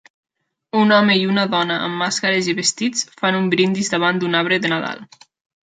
Un home i una dona amb màscares i vestits fan un brindis davant d'un arbre de Nadal.